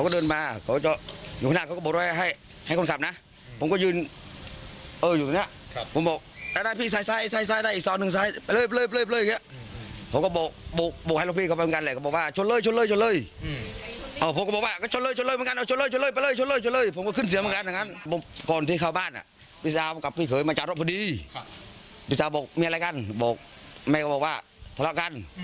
เคยมาจากรอบพอดีพี่ชายบอกมีอะไรกันบอกแม่เขาบอกว่าทะเลาะกัน